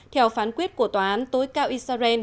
theo phán quyết của tòa án tối cao israel